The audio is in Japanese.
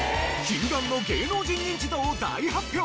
禁断の芸能人ニンチドを大発表！